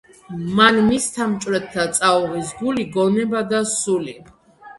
მან მისთა მჭვრეტთა წაუღის გული, გონება და სული